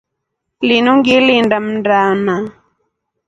Linu ngilinda mndana.